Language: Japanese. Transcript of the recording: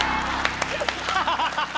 ハハハハ。